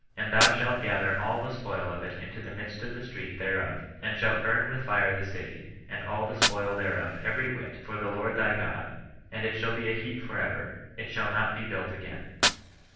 And thou shalt gather all ike spoil of it into the midst of the street there of, and shalt bum with fire the city, and all the spoil thereof every whit, for the Lord thy God : and it shall be a heap for ever ; it shall not be bmlt again.